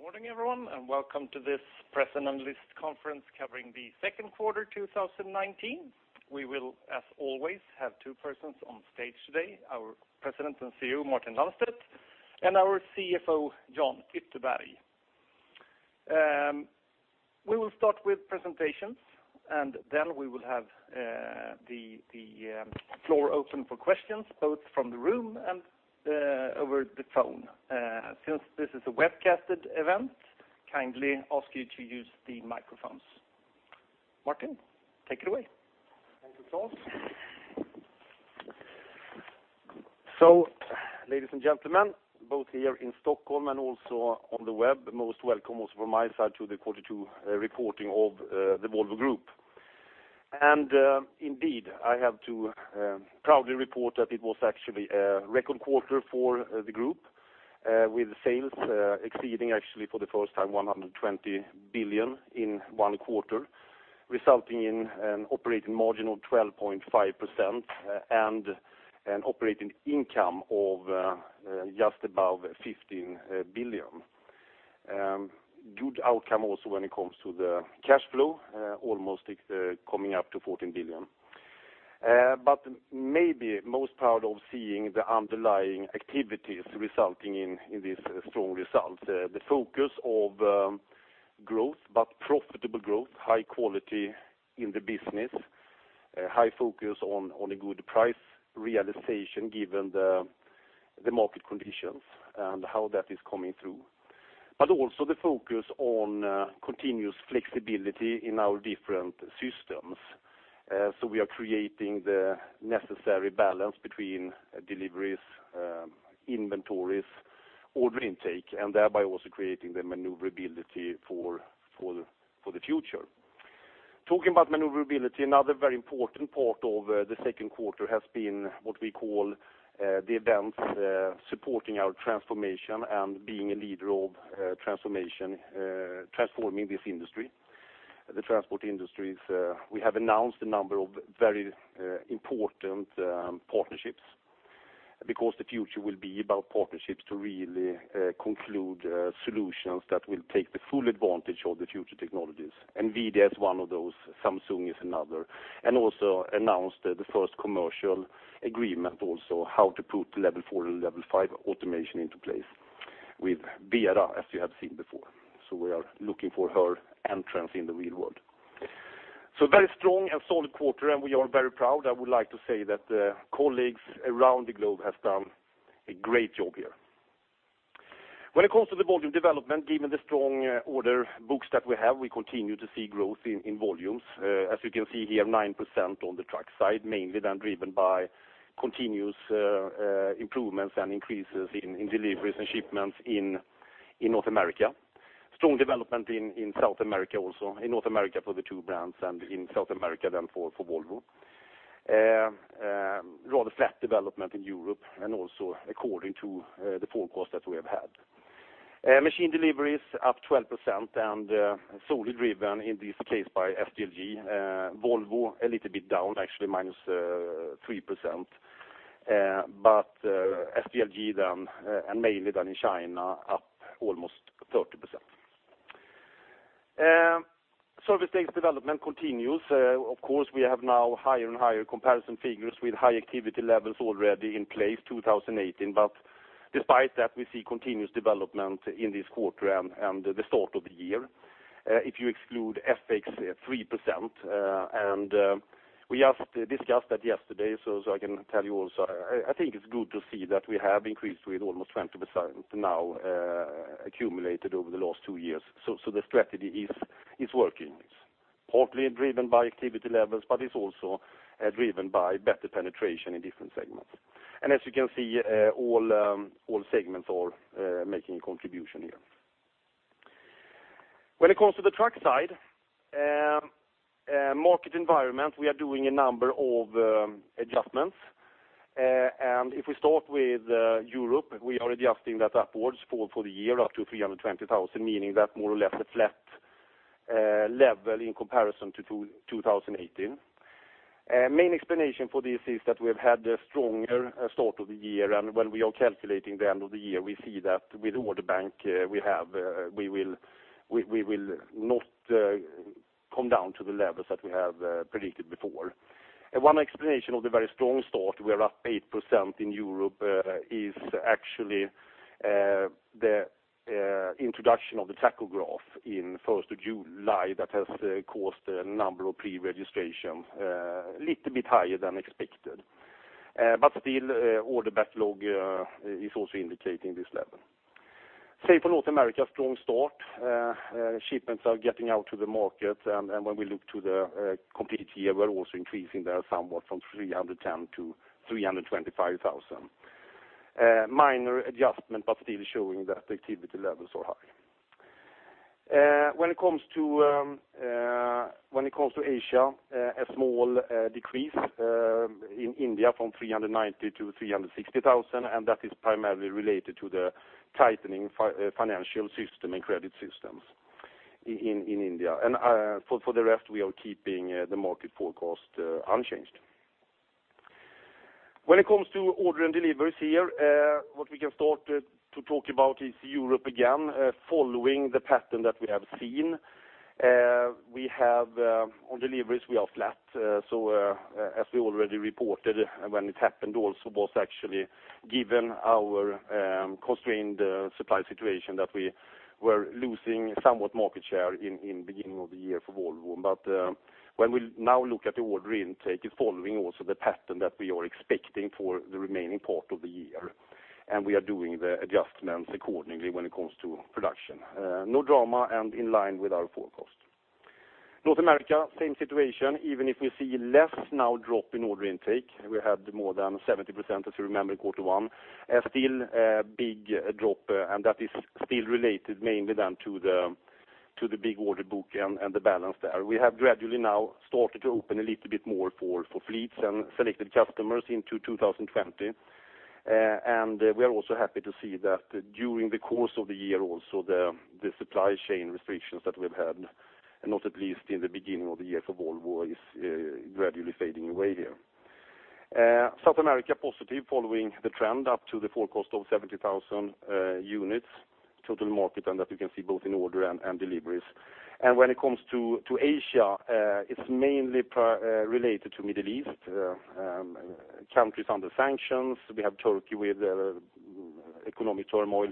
Good morning, everyone, and welcome to this press analyst conference covering the second quarter 2019. We will, as always, have two persons on stage today, our President and CEO, Martin Lundstedt, and our CFO, Jan Ytterberg. We will start with presentations. Then we will have the floor open for questions, both from the room and over the phone. Since this is a webcasted event, kindly ask you to use the microphones. Martin, take it away. Thank you, Claes. Ladies and gentlemen, both here in Stockholm and also on the web, most welcome also from my side to the quarter two reporting of the Volvo Group. Indeed, I have to proudly report that it was actually a record quarter for the group, with sales exceeding actually for the first time 120 billion in one quarter, resulting in an operating margin of 12.5% and an operating income of just above 15 billion. Good outcome also when it comes to the cash flow, almost coming up to 14 billion. Maybe most proud of seeing the underlying activities resulting in this strong result. The focus of growth, but profitable growth, high quality in the business, high focus on a good price realization given the market conditions and how that is coming through. Also the focus on continuous flexibility in our different systems. We are creating the necessary balance between deliveries, inventories, order intake, and thereby also creating the maneuverability for the future. Talking about maneuverability, another very important part of the second quarter has been what we call the events supporting our transformation and being a leader of transformation, transforming this industry, the transport industries. We have announced a number of very important partnerships because the future will be about partnerships to really conclude solutions that will take the full advantage of the future technologies. NVIDIA is one of those, Samsung is another. Also announced the first commercial agreement also how to put Level 4 and Level 5 automation into place with Vera, as you have seen before. We are looking for her entrance in the real world. Very strong and solid quarter, and we are very proud. I would like to say that colleagues around the globe have done a great job here. When it comes to the volume development, given the strong order books that we have, we continue to see growth in volumes. As you can see here, 9% on the truck side, mainly then driven by continuous improvements and increases in deliveries and shipments in North America. Strong development in South America also, in North America for the two brands and in South America then for Volvo. Rather flat development in Europe and also according to the forecast that we have had. Machine deliveries up 12% and solely driven in this case by SDLG. Volvo, a little bit down, actually minus 3%. SDLG then, and mainly then in China, up almost 30%. Service sales development continues. We have now higher and higher comparison figures with high activity levels already in place 2018. Despite that, we see continuous development in this quarter and the start of the year. If you exclude FX 3%, we just discussed that yesterday. I can tell you, we have increased with almost 20% now accumulated over the last two years. The strategy is working. It's partly driven by activity levels. It's also driven by better penetration in different segments. As you can see, all segments are making a contribution here. When it comes to the truck side, market environment, we are doing a number of adjustments. If we start with Europe, we are adjusting that upwards for the year up to 320,000, meaning that more or less a flat level in comparison to 2018. Main explanation for this is that we've had a stronger start of the year, and when we are calculating the end of the year, we see that with order bank we have, we will not come down to the levels that we have predicted before. One explanation of the very strong start, we are up 8% in Europe, is actually the introduction of the tachograph in 1st of July that has caused a number of pre-registration a little bit higher than expected. Still, order backlog is also indicating this level. Say for North America, strong start. Shipments are getting out to the market, and when we look to the complete year, we're also increasing there somewhat from 310,000-325,000. Minor adjustment, still showing that the activity levels are high. When it comes to Asia, a small decrease in India from 390,000-360,000, and that is primarily related to the tightening financial system and credit systems in India. For the rest, we are keeping the market forecast unchanged. When it comes to order and deliveries here, what we can start to talk about is Europe again following the pattern that we have seen. On deliveries, we are flat. As we already reported when it happened, also was actually given our constrained supply situation that we were losing somewhat market share in beginning of the year for Volvo. When we now look at the order intake, it's following also the pattern that we are expecting for the remaining part of the year, and we are doing the adjustments accordingly when it comes to production. No drama and in line with our forecast. North America, same situation, even if we see less now drop in order intake. We had more than 70%, as you remember, in quarter one. Still a big drop, and that is still related mainly then to the big order book and the balance there. We have gradually now started to open a little bit more for fleets and selected customers into 2020. We are also happy to see that during the course of the year also, the supply chain restrictions that we've had, and not at least in the beginning of the year for Volvo, is gradually fading away there. South America, positive following the trend up to the forecast of 70,000 units total market, and that you can see both in order and deliveries. When it comes to Asia, it's mainly related to Middle East, countries under sanctions. We have Turkey with economic turmoil.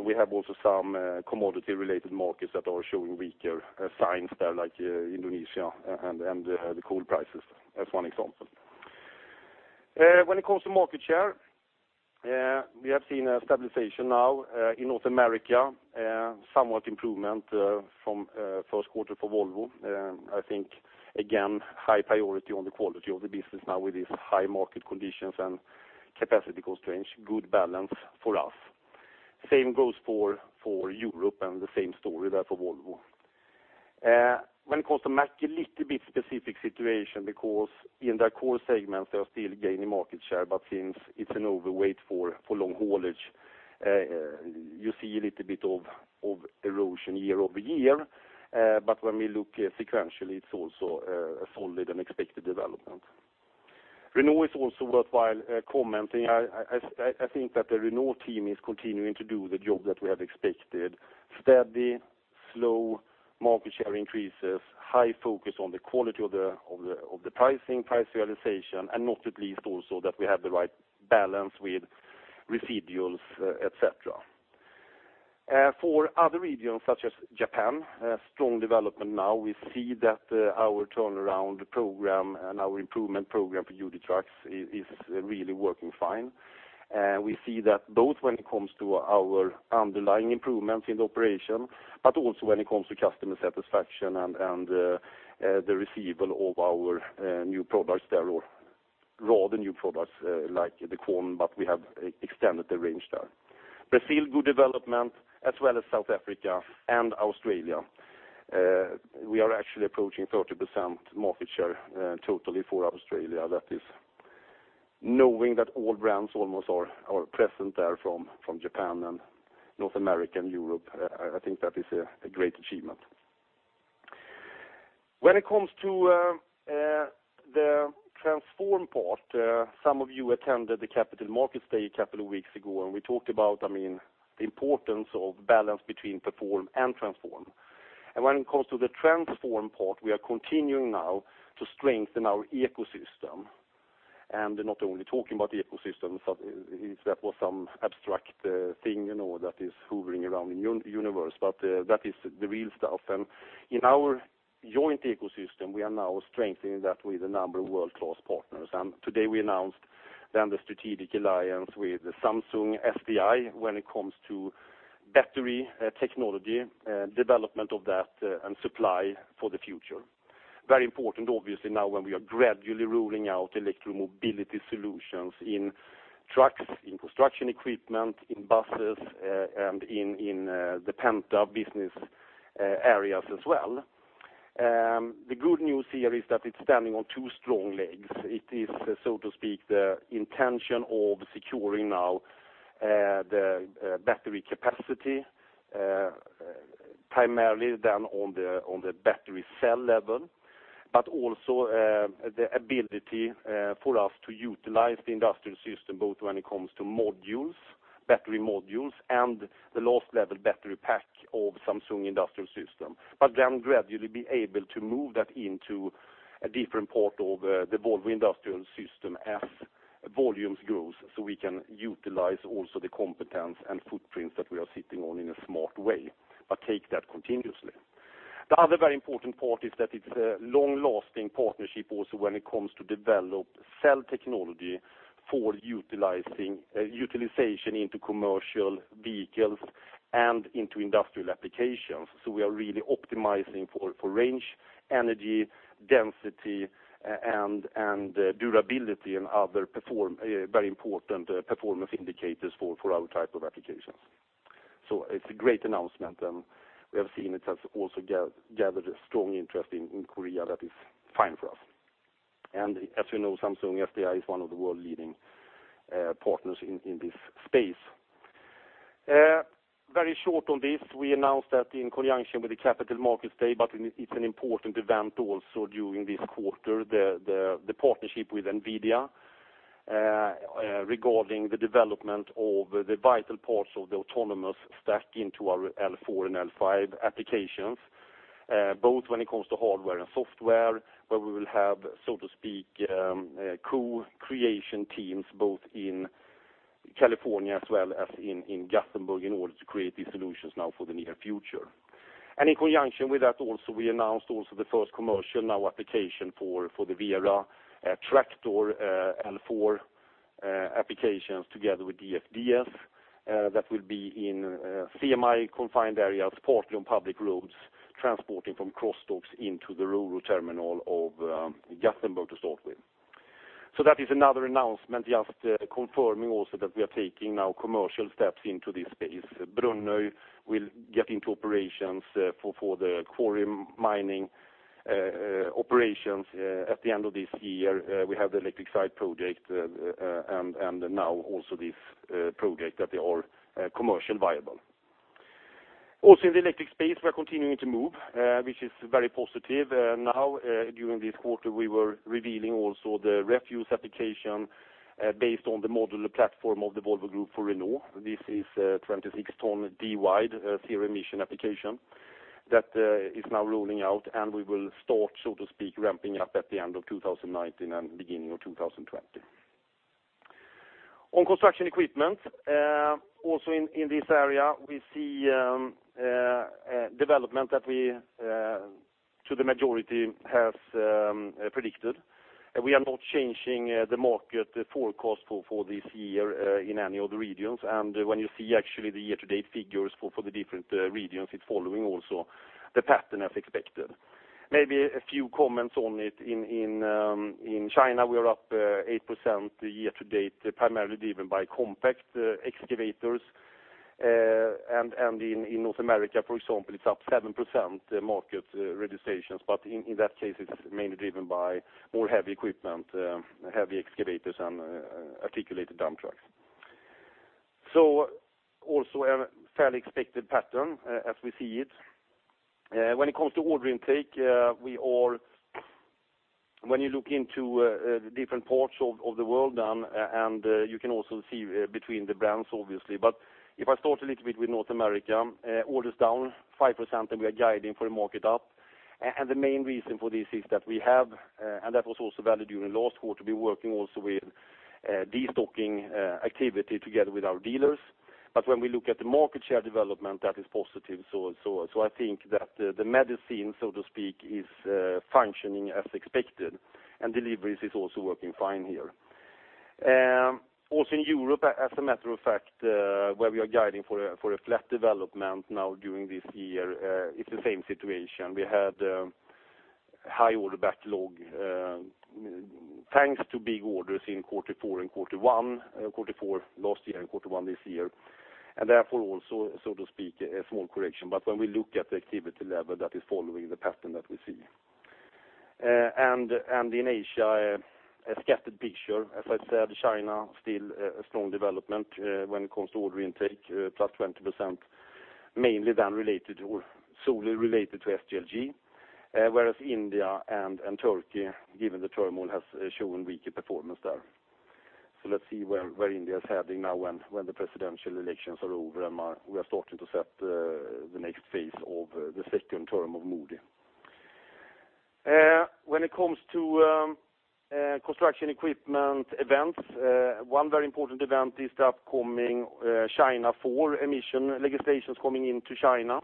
We have also some commodity-related markets that are showing weaker signs there, like Indonesia and the coal prices as one example. When it comes to market share, we have seen a stabilization now in North America, somewhat improvement from Q1 for Volvo. I think, again, high priority on the quality of the business now with these high market conditions and capacity constraints, good balance for us. Same goes for Europe and the same story there for Volvo. When it comes to Mack, a little bit specific situation because in their core segments, they are still gaining market share, but since it's an overweight for long haulage, you see a little bit of erosion year-over-year. When we look sequentially, it's also a solid and expected development. Renault is also worthwhile commenting. I think that the Renault team is continuing to do the job that we have expected. Steady, slow market share increases, high focus on the quality of the pricing, price realization, and not at least also that we have the right balance with residuals, et cetera. For other regions such as Japan, strong development now. We see that our turnaround program and our improvement program for UD Trucks is really working fine. We see that both when it comes to our underlying improvements in the operation, but also when it comes to customer satisfaction and the receivable of our new products there or rather new products like the Quon, but we have extended the range there. Brazil, good development, as well as South Africa and Australia. We are actually approaching 30% market share totally for Australia. That is knowing that all brands almost are present there from Japan and North America and Europe. I think that is a great achievement. When it comes to the transform part, some of you attended the Capital Markets Day a couple of weeks ago, and we talked about the importance of balance between perform and transform. When it comes to the transform part, we are continuing now to strengthen our ecosystem, and not only talking about the ecosystem, that was some abstract thing that is hovering around in universe, but that is the real stuff. In our joint ecosystem, we are now strengthening that with a number of world-class partners. Today we announced then the strategic alliance with Samsung SDI when it comes to battery technology, development of that, and supply for the future. Very important, obviously, now when we are gradually rolling out electromobility solutions in trucks, in construction equipment, in buses, and in the Penta business areas as well. The good news here is that it's standing on two strong legs. It is, so to speak, the intention of securing now the battery capacity, primarily then on the battery cell level, but also the ability for us to utilize the industrial system, both when it comes to modules, battery modules, and the last level battery pack of Samsung Industrial System. Gradually be able to move that into a different part of the Volvo industrial system as volumes grows, so we can utilize also the competence and footprints that we are sitting on in a smart way, but take that continuously. The other very important part is that it's a long-lasting partnership also when it comes to develop cell technology for utilization into commercial vehicles and into industrial applications. We are really optimizing for range, energy, density, and durability and other very important performance indicators for our type of applications. It's a great announcement, and we have seen it has also gathered a strong interest in Korea. That is fine for us. As you know, Samsung SDI is one of the world-leading partners in this space. Very short on this, we announced that in conjunction with the Capital Markets Day. It's an important event also during this quarter, the partnership with NVIDIA, regarding the development of the vital parts of the autonomous stack into our L4 and L5 applications, both when it comes to hardware and software, where we will have, so to speak, co-creation teams both in California as well as in Gothenburg in order to create these solutions now for the near future. In conjunction with that also, we announced the first commercial now application for the Vera tractor L4 applications together with DFDS, that will be in CMI confined areas, partly on public roads, transporting from cross-docks into the rural terminal of Gothenburg to start with. That is another announcement, just confirming also that we are taking now commercial steps into this space. Brønnøy will get into operations for the quarry mining operations at the end of this year. We have the electric side project, and now also this project that is commercially viable. In the electric space, we are continuing to move, which is very positive. During this quarter, we were revealing also the refuse application based on the modular platform of the Volvo Group for Renault. This is a 26-ton D Wide zero emission application that is now rolling out. We will start, so to speak, ramping up at the end of 2019 and beginning of 2020. On construction equipment, also in this area, we see development that we, to the majority, have predicted. We are not changing the market forecast for this year in any of the regions. When you see actually the year-to-date figures for the different regions, it's following also the pattern as expected. Maybe a few comments on it. In China, we are up 8% year to date, primarily driven by compact excavators. In North America, for example, it's up 7% market registrations, but in that case, it's mainly driven by more heavy equipment, heavy excavators, and articulated dump trucks. Also a fairly expected pattern as we see it. When it comes to order intake, when you look into the different parts of the world, and you can also see between the brands, obviously. If I start a little bit with North America, orders down 5%, and we are guiding for the market up. The main reason for this is that we have, and that was also valid during last quarter, we are working also with destocking activity together with our dealers. When we look at the market share development, that is positive. I think that the medicine, so to speak, is functioning as expected, and deliveries are also working fine here. In Europe, as a matter of fact, where we are guiding for a flat development now during this year, it's the same situation. We had high order backlog, thanks to big orders in quarter four and quarter one, quarter four last year and quarter one this year. Therefore also, so to speak, a small correction. When we look at the activity level, that is following the pattern that we see. In Asia, a scattered picture. As I said, China, still a strong development when it comes to order intake, +20%, mainly then related or solely related to SDLG. Whereas India and Turkey, given the turmoil, has shown weaker performance there. Let's see where India is heading now when the presidential elections are over, and we are starting to set the next phase of the second term of Modi. When it comes to construction equipment events, one very important event is the upcoming China IV emission legislations coming into China.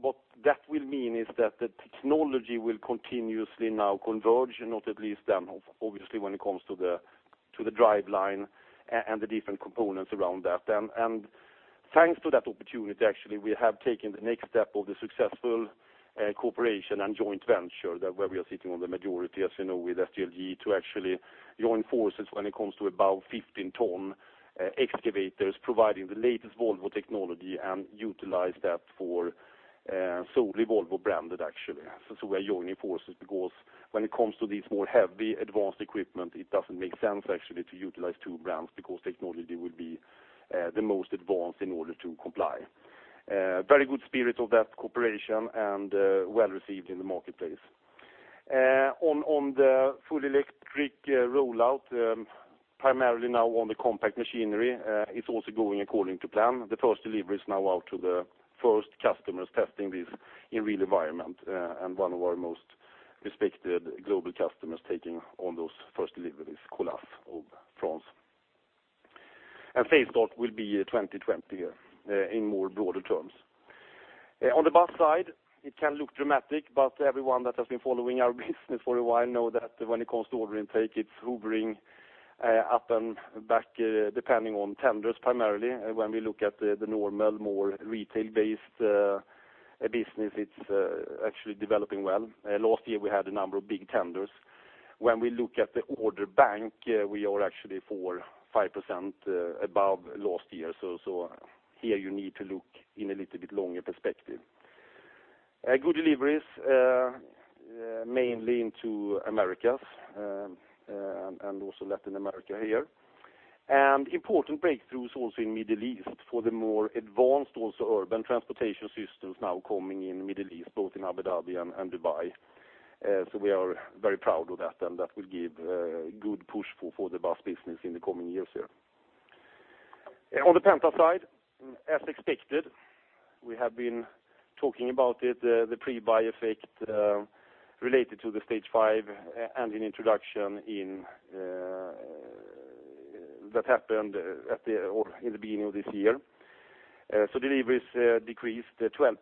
What that will mean is that the technology will continuously now converge, not at least then, obviously, when it comes to the driveline and the different components around that. Thanks to that opportunity, actually, we have taken the next step of the successful cooperation and joint venture where we are sitting on the majority, as you know, with SDLG to actually join forces when it comes to above 15-ton excavators, providing the latest Volvo technology and utilize that for solely Volvo branded, actually. We are joining forces because when it comes to these more heavy advanced equipment, it doesn't make sense actually to utilize two brands because technology will be the most advanced in order to comply. Very good spirit of that cooperation and well-received in the marketplace. On the full electric rollout, primarily now on the compact machinery, it's also going according to plan. The first delivery is now out to the first customers testing this in real environment, and one of our most respected global customers taking on those first deliveries, Colas of France. Phase start will be 2020 here in more broader terms. On the bus side, it can look dramatic, but everyone that has been following our business for a while know that when it comes to order intake, it's hoovering up and back depending on tenders primarily. When we look at the normal, more retail-based business, it's actually developing well. Last year, we had a number of big tenders. When we look at the order bank, we are actually 4%-5% above last year. Here you need to look in a little bit longer perspective. Good deliveries, mainly into Americas, and also Latin America here. Important breakthroughs also in Middle East for the more advanced also urban transportation systems now coming in Middle East, both in Abu Dhabi and Dubai. We are very proud of that, and that will give good push for the bus business in the coming years here. On the Penta side, as expected, we have been talking about it, the pre-buy effect, related to the Stage 5 engine introduction that happened in the beginning of this year. Deliveries decreased 12%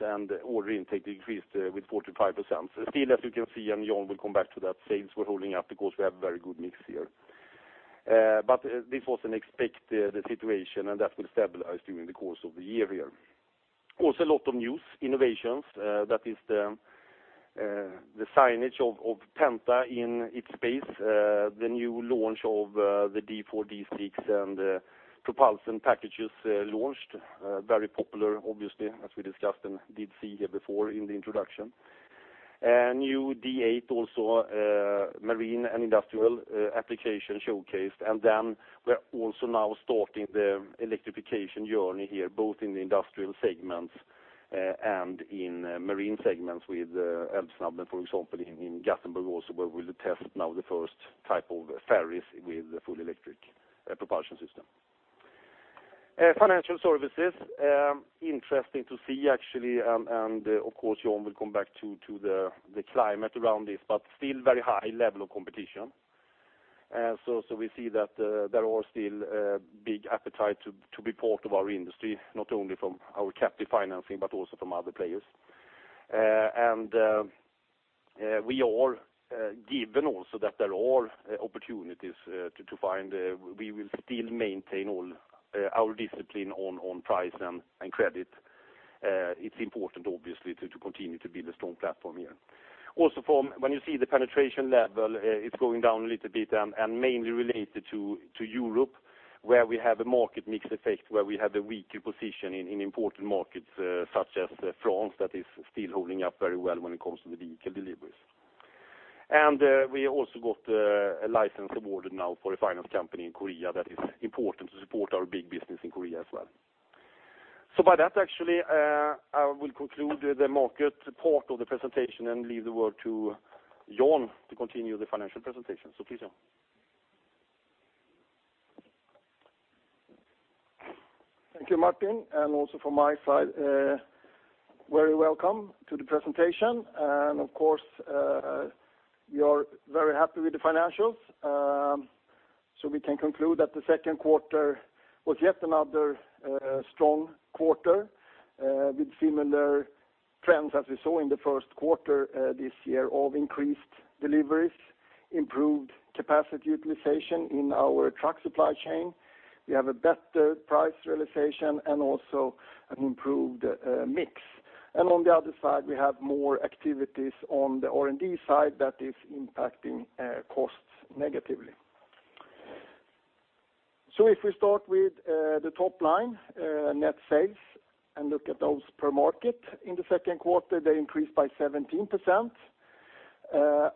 and order intake decreased with 45%. Still, as you can see, and Jan will come back to that, sales were holding up because we have very good mix here. This was an expected situation, and that will stabilize during the course of the year here. A lot of news, innovations, that is the signage of Volvo Penta in its space, the new launch of the D4, D6 and propulsion packages launched. Very popular, obviously, as we discussed and did see here before in the introduction. A new D8 also, marine and industrial application showcased. We are also now starting the electrification journey here, both in the industrial segments and in marine segments with Älvsnabben, for example, in Gothenburg also where we will test now the first type of ferries with a full electric propulsion system. Financial services, interesting to see actually, and of course, Jan will come back to the climate around this, but still very high level of competition. We see that there are still a big appetite to be part of our industry, not only from our captive financing, but also from other players. We are given also that there are opportunities to find. We will still maintain all our discipline on price and credit. It's important, obviously, to continue to build a strong platform here. When you see the penetration level, it's going down a little bit and mainly related to Europe, where we have a market mix effect, where we have a weaker position in important markets such as France, that is still holding up very well when it comes to the vehicle deliveries. We also got a license awarded now for a finance company in Korea that is important to support our big business in Korea as well. By that, actually, I will conclude the market part of the presentation and leave the word to Jan to continue the financial presentation. Please, Jan. Thank you, Martin, from my side, very welcome to the presentation. Of course, we are very happy with the financials. We can conclude that the second quarter was yet another strong quarter with similar trends as we saw in the first quarter this year of increased deliveries, improved capacity utilization in our truck supply chain. We have a better price realization and also an improved mix. On the other side, we have more activities on the R&D side that is impacting costs negatively. If we start with the top line, net sales, and look at those per market. In the second quarter, they increased by 17%,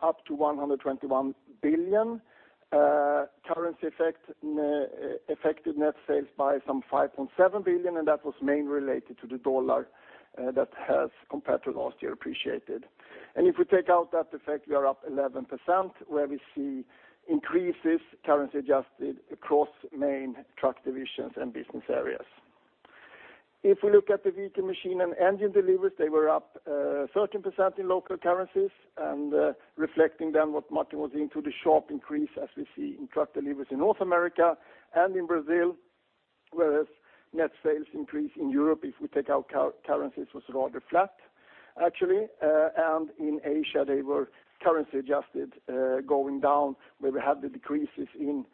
up to 121 billion. Currency affected net sales by some 5.7 billion, and that was mainly related to the U.S. dollar that has, compared to last year, appreciated. If we take out that effect, we are up 11%, where we see increases currency adjusted across main truck divisions and business areas. If we look at the vehicle machine and engine deliveries, they were up 13% in local currencies and reflecting then what Martin was into, the sharp increase as we see in truck deliveries in North America and in Brazil, whereas net sales increase in Europe, if we take out currencies, was rather flat actually. In Asia, they were currency adjusted, going down where we had the decreases in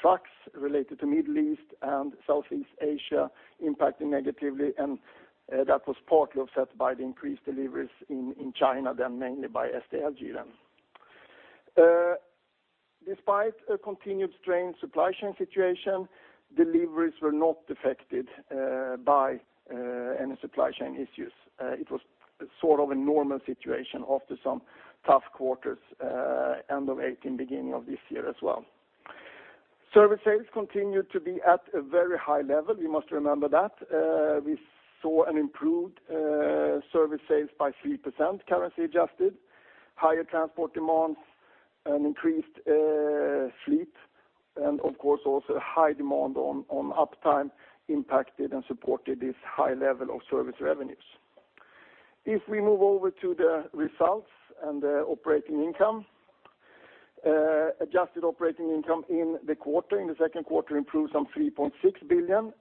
trucks related to Middle East and Southeast Asia impacting negatively, and that was partly offset by the increased deliveries in China, mainly by SDLG. Despite a continued strained supply chain situation, deliveries were not affected by any supply chain issues. It was sort of a normal situation after some tough quarters, end of 2018, beginning of this year as well. Service sales continued to be at a very high level. We must remember that. We saw an improved service sales by 3%, currency adjusted, higher transport demands and increased fleet, and of course, also high demand on uptime impacted and supported this high level of service revenues. If we move over to the results and operating income. Adjusted operating income in the quarter, in the second quarter improved some 3.6 billion,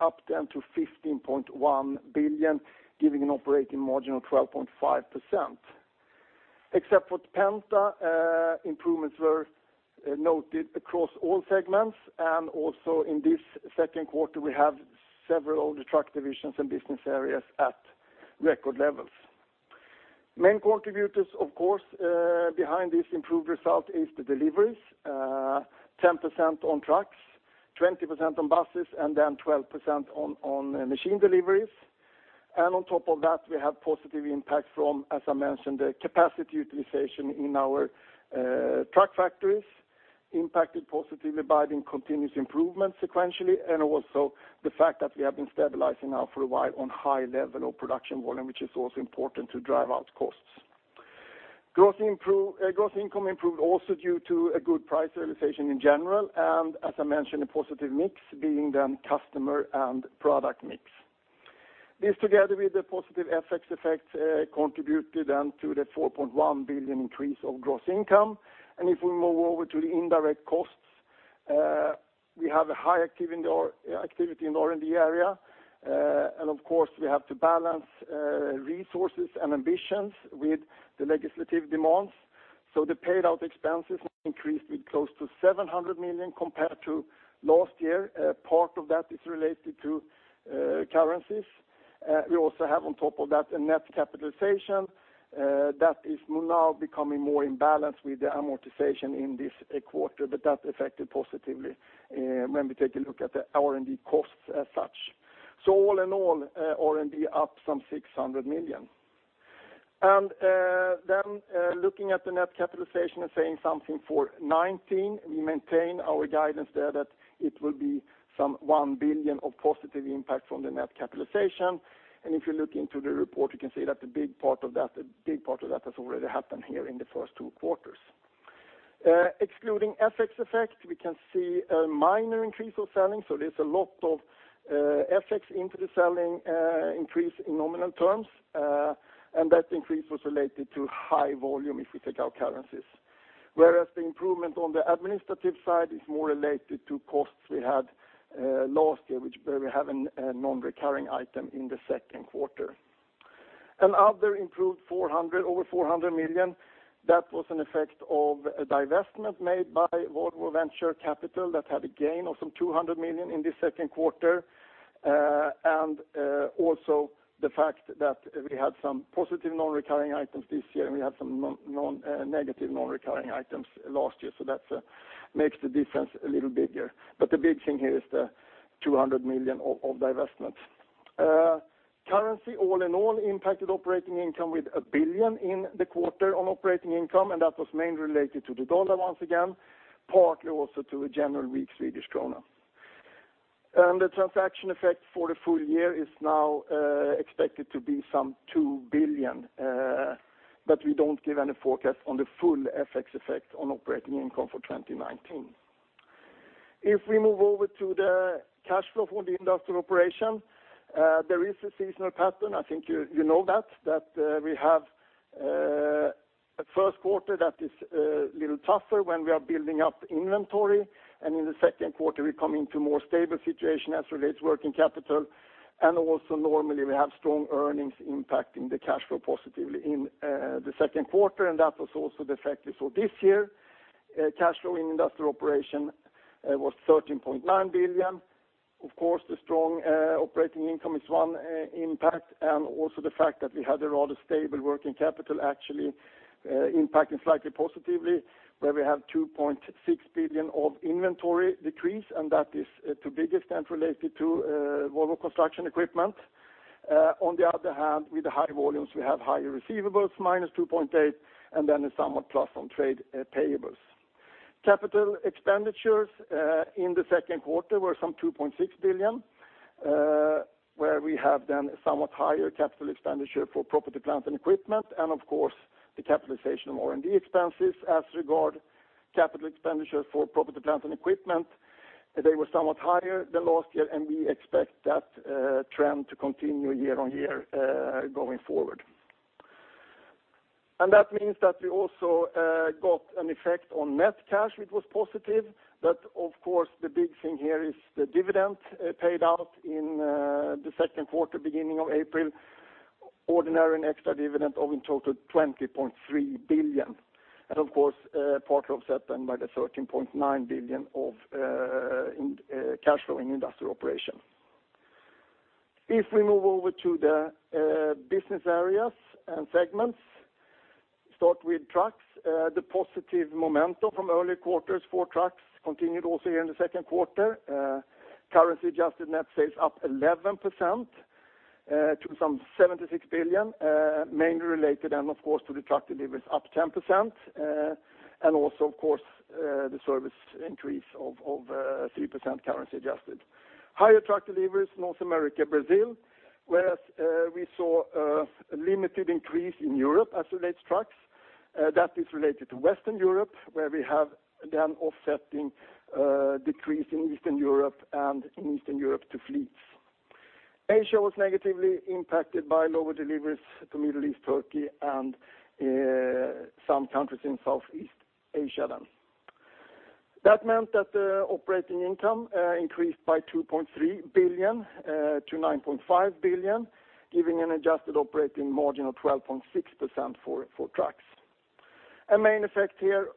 up then to 15.1 billion, giving an operating margin of 12.5%. Except for Volvo Penta, improvements were noted across all segments, and also in this second quarter, we have several of the truck divisions and business areas at record levels. Main contributors, of course, behind this improved result is the deliveries, 10% on trucks, 20% on buses, and then 12% on machine deliveries. On top of that, we have positive impact from, as I mentioned, the capacity utilization in our truck factories, impacted positively by the continuous improvement sequentially, and also the fact that we have been stabilizing now for a while on high level of production volume, which is also important to drive out costs. Gross income improved also due to a good price realization in general, and as I mentioned, a positive mix being then customer and product mix. This, together with the positive FX effects, contributed then to the 4.1 billion increase of gross income. If we move over to the indirect costs, we have a high activity in the R&D area. Of course, we have to balance resources and ambitions with the legislative demands. The paid-out expenses increased with close to 700 million compared to last year. Part of that is related to currencies. We also have on top of that a net capitalization that is now becoming more in balance with the amortization in this quarter, but that affected positively when we take a look at the R&D costs as such. All in all, R&D up some 600 million. Looking at the net capitalization and saying something for 2019, we maintain our guidance there that it will be some 1 billion of positive impact from the net capitalization. If you look into the report, you can see that a big part of that has already happened here in the first two quarters. Excluding FX effect, we can see a minor increase of selling. There's a lot of FX into the selling increase in nominal terms, and that increase was related to high volume if we take out currencies. Whereas the improvement on the administrative side is more related to costs we had last year, where we have a non-recurring item in the second quarter. Other improved over 400 million. That was an effect of a divestment made by Volvo Group Venture Capital that had a gain of some 200 million in the second quarter. Also the fact that we had some positive non-recurring items this year, and we had some negative non-recurring items last year. That makes the difference a little bigger. The big thing here is the 200 million of divestments. Currency all in all impacted operating income with 1 billion in the quarter on operating income. That was mainly related to the dollar once again, partly also to a general weak Swedish krona. The transaction effect for the full year is now expected to be some 2 billion. We don't give any forecast on the full FX effect on operating income for 2019. If we move over to the cash flow from the industrial operation, there is a seasonal pattern. I think you know that we have a first quarter that is a little tougher when we are building up inventory. In the second quarter, we come into more stable situation as relates working capital, also normally we have strong earnings impacting the cash flow positively in the second quarter. That was also the factor. This year, cash flow in industrial operation was 13.9 billion. Of course, the strong operating income is one impact, also the fact that we had a rather stable working capital actually impacting slightly positively, where we have 2.6 billion of inventory decrease. That is to biggest extent related to Volvo Construction Equipment. On the other hand, with the high volumes, we have higher receivables, minus 2.8 billion, then a somewhat plus on trade payables. Capital expenditures in the second quarter were some 2.6 billion, where we have then somewhat higher capital expenditure for property, plant, and equipment, of course, the capitalization of R&D expenses as regard capital expenditure for property, plant, and equipment. They were somewhat higher than last year. We expect that trend to continue year-over-year going forward. That means that we also got an effect on net cash, which was positive. Of course, the big thing here is the dividend paid out in the second quarter, beginning of April. Ordinary and extra dividend of in total 20.3 billion. Of course, part of that done by the 13.9 billion of cash flow in industrial operation. If we move over to the business areas and segments, start with trucks. The positive momentum from early quarters for trucks continued also here in the second quarter. Currency adjusted net sales up 11% to some 76 billion, mainly related and of course to the truck deliveries up 10%, also of course the service increase of 3% currency adjusted. Higher truck deliveries, North America, Brazil. Whereas we saw a limited increase in Europe as relates trucks. That is related to Western Europe, where we have then offsetting decrease in Eastern Europe and in Eastern Europe to fleets. Asia was negatively impacted by lower deliveries to Middle East, Turkey, and some countries in Southeast Asia then. That meant that the operating income increased by 2.3 billion to 9.5 billion, giving an adjusted operating margin of 12.6% for trucks. A main effect here,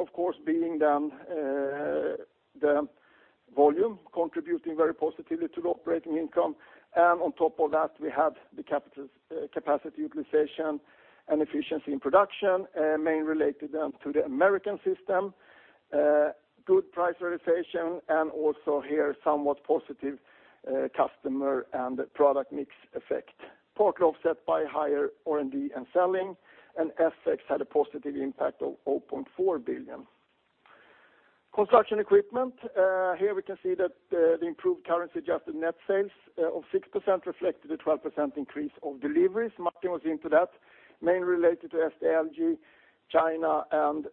of course, being the volume contributing very positively to the operating income. On top of that, we have the capacity utilization and efficiency in production, mainly related to the American system, good price realization, also here, somewhat positive customer and product mix effect, partly offset by higher R&D and selling. FX had a positive impact of 0.4 billion. Construction Equipment. Here we can see that the improved currency adjusted net sales of 6% reflected a 12% increase of deliveries. Martin was into that, mainly related to SDLG, China, and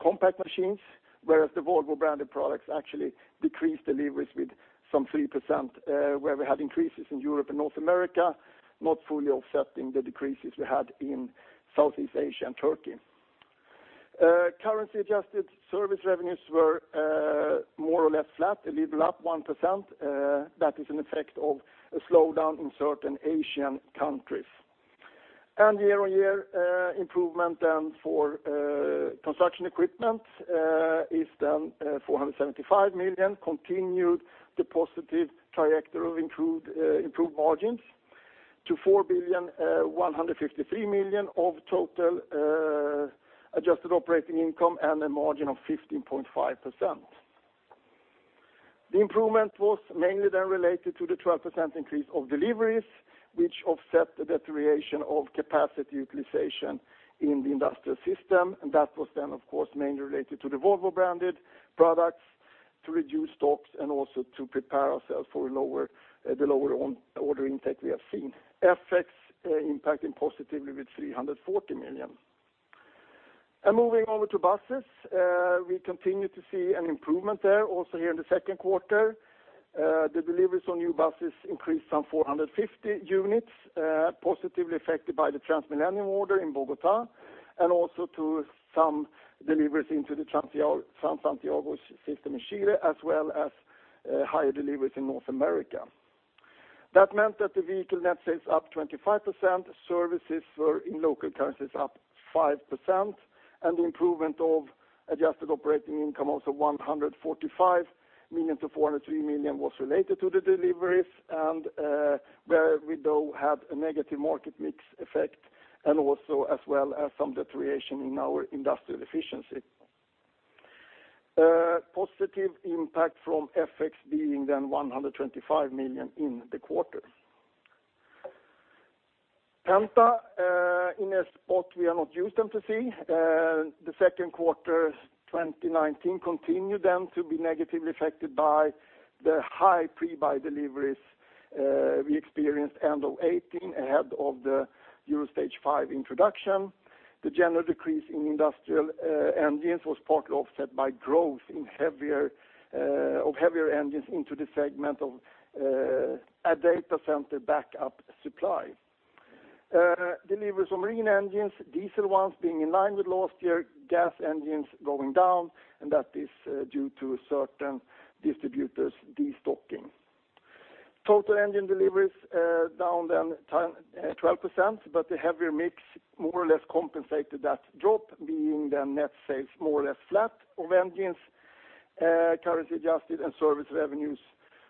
compact machines. Whereas the Volvo branded products actually decreased deliveries with some 3%, where we had increases in Europe and North America, not fully offsetting the decreases we had in Southeast Asia and Turkey. Currency adjusted service revenues were more or less flat, a little up 1%. That is an effect of a slowdown in certain Asian countries. Year-on-year improvement then for construction equipment is then 475 million, continued the positive trajectory of improved margins to 4.153 billion of total adjusted operating income and a margin of 15.5%. The improvement was mainly then related to the 12% increase of deliveries, which offset the deterioration of capacity utilization in the industrial system. That was then, of course, mainly related to the Volvo branded products to reduce stocks and also to prepare ourselves for the lower order intake we have seen. FX impacting positively with 340 million. Moving over to buses. We continue to see an improvement there also here in the second quarter. The deliveries on new buses increased some 450 units, positively affected by the TransMilenio order in Bogotá, and also to some deliveries into the Transantiago system in Chile, as well as higher deliveries in North America. That meant that the vehicle net sales up 25%, services were in local currencies up 5%, and the improvement of adjusted operating income also 145 million to 403 million was related to the deliveries, and where we though had a negative market mix effect and also as well as some deterioration in our industrial efficiency. A positive impact from FX being then 125 million in the quarter. Penta, in a spot we are not used them to see. The second quarter 2019 continued then to be negatively affected by the high pre-buy deliveries we experienced end of 2018 ahead of the Stage V introduction. The general decrease in industrial engines was partly offset by growth of heavier engines into the segment of a data center backup supply. Deliveries on marine engines, diesel ones being in line with last year, gas engines going down, and that is due to certain distributors destocking. Total engine deliveries down then 12%, but the heavier mix more or less compensated that drop, being the net sales more or less flat of engines currency adjusted and service revenues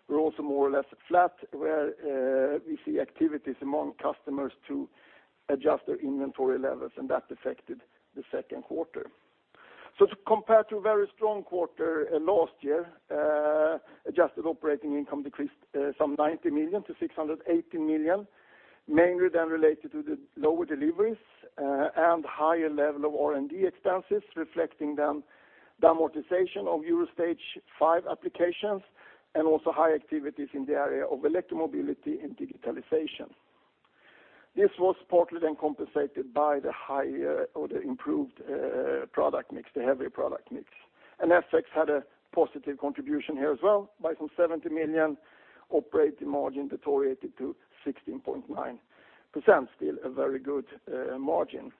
were also more or less flat where we see activities among customers to adjust their inventory levels, and that affected the second quarter. To compare to a very strong quarter last year, adjusted operating income decreased some 90 million-680 million, mainly then related to the lower deliveries and higher level of R&D expenses, reflecting then amortization of Stage V applications and also high activities in the area of electromobility and digitalization. This was partly then compensated by the higher or the improved product mix, the heavier product mix. FX had a positive contribution here as well by some 70 million. Operating margin deteriorated to 16.9%, still a very good margin.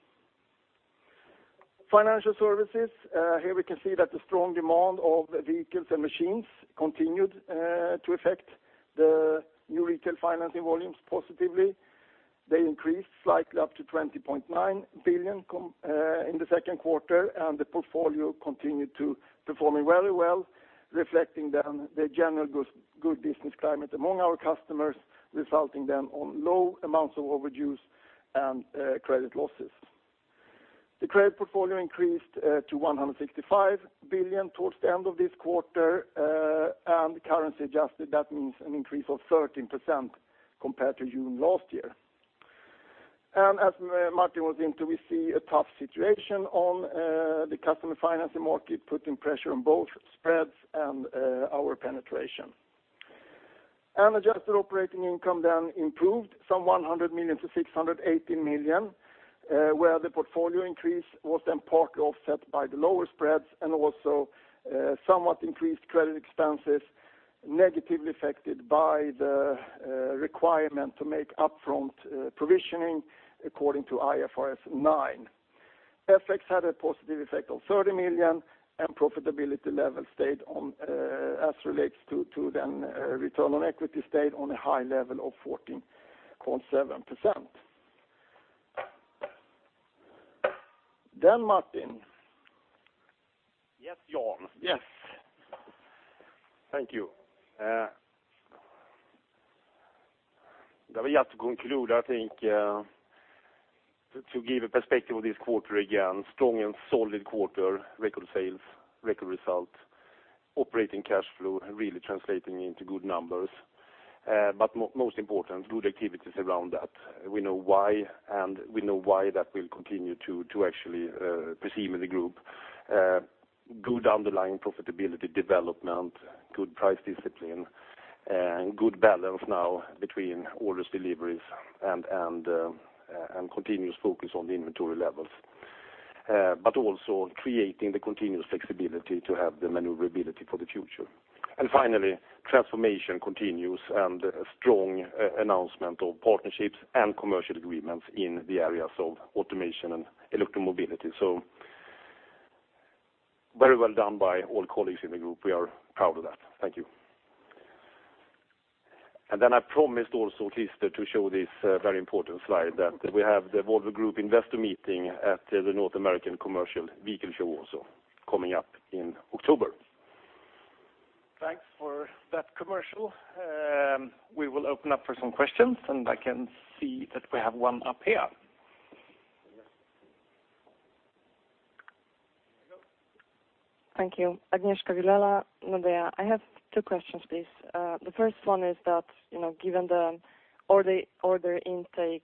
Financial services. Here we can see that the strong demand of the vehicles and machines continued to affect the new retail financing volumes positively. They increased slightly up to 20.9 billion in the second quarter. The portfolio continued to performing very well, reflecting then the general good business climate among our customers, resulting then on low amounts of overdues and credit losses. The credit portfolio increased to 165 billion towards the end of this quarter, and currency adjusted, that means an increase of 13% compared to June last year. As Martin was into, we see a tough situation on the customer financing market, putting pressure on both spreads and our penetration. Adjusted operating income then improved some 100 million-680 million, where the portfolio increase was then partly offset by the lower spreads and also somewhat increased credit expenses Negatively affected by the requirement to make upfront provisioning according to IFRS 9. FX had a positive effect of 30 million. Profitability level stayed as relates to then return on equity stayed on a high level of 14.7%. Martin. Yes, Jan. Thank you. We just conclude, I think, to give a perspective of this quarter, again, strong and solid quarter, record sales, record result, operating cash flow, really translating into good numbers. Most important, good activities around that. We know why, and we know why that will continue to actually proceed in the group. Good underlying profitability development, good price discipline, good balance now between orders, deliveries, and continuous focus on the inventory levels. Also creating the continuous flexibility to have the maneuverability for the future. Finally, transformation continues, and a strong announcement of partnerships and commercial agreements in the areas of automation and electromobility. Very well done by all colleagues in the group. We are proud of that. Thank you. I promised also, at least, to show this very important slide that we have the Volvo Group investor meeting at the North American Commercial Vehicle Show also coming up in October. Thanks for that commercial. We will open up for some questions, I can see that we have one up here. Thank you. Agnieszka Vilela, Nordea. I have two questions, please. The first one is that, given the order intake